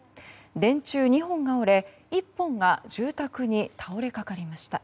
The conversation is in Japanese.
電柱２本が折れ、１本が住宅に倒れかかりました。